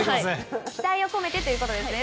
期待を込めてということですね。